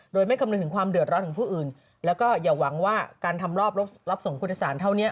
โดยไม่คำนึงถึงความเดือดร้อนของผู้อื่นแล้วก็อย่าหวังว่าการทำรอบรับส่งผู้โดยสารเท่านี้